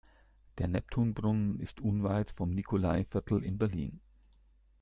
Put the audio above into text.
Der Neptunbrunnen ist unweit vom Nikolaiviertel in Berlin.